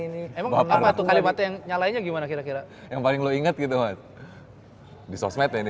ini emang apa tuh kalimatnya yang nyalainnya gimana kira kira yang paling lo inget gitu di sosmed ini